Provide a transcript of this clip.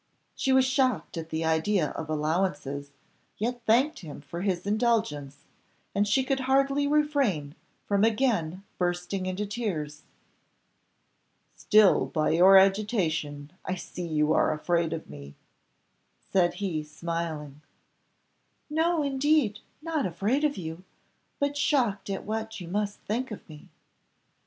She was shocked at the idea of allowances, yet thanked him for his indulgence, and she could hardly refrain from again bursting into tears. "Still by your agitation I see you are afraid of me," said he, smiling. "No indeed; not afraid of you, but shocked at what you must think of me."